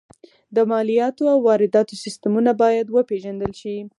د مالیاتو او وارداتو سیستمونه باید وپېژندل شي